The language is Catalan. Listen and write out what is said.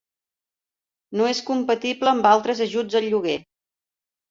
No és compatible amb altres ajuts al lloguer.